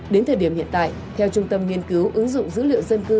đến thời điểm hiện tại theo trung tâm nghiên cứu ứng dụng dữ liệu dân cư